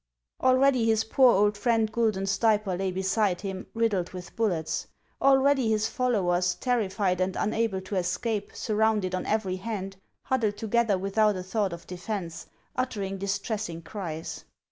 Already his poor old friend Guidon Stayper lay beside him, riddled with bullets ; already his followers, terrified and unable to escape, sur rounded on every hand, huddled together without a thought of defence, uttering distressing cries.